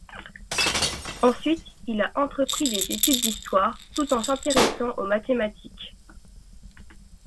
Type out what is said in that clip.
Ensuite il a entrepris des études d'histoire, tout en s'intéressant aux mathématiques.